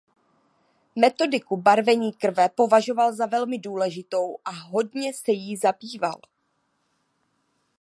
Metodiku barvení krve považoval za velmi důležitou a hodně se jí zabýval.